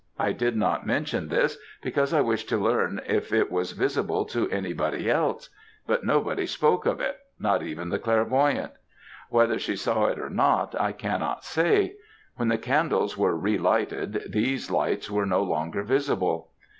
I did not mention this, because I wished to learn if it was visible to any body else but nobody spoke of it; not even the clairvoyante. Whether she saw it or not, I cannot say. When the candles were re lighted these lights were no longer visible.